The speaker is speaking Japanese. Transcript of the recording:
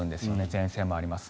前線もあります。